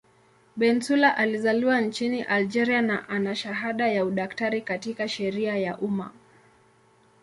Bensaoula alizaliwa nchini Algeria na ana shahada ya udaktari katika sheria ya umma.